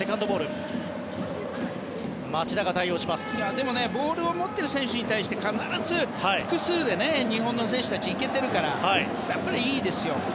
でも、ボールを持っている選手に対して必ず複数で日本の選手たちはいけてるからやっぱりいいですよ。